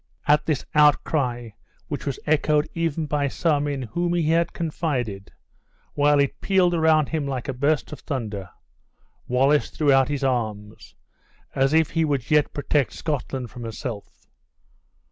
At this outcry, which was echoed even by some in whom he had confided, while it pealed around him like a burst of thunder, Wallace threw out his arms, as if he would yet protect Scotland from herself.